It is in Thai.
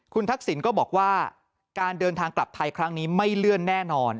คุณทักษิณก็บอกว่าการเดินทางกลับไทยครั้งนี้ไม่เลื่อนแน่นอน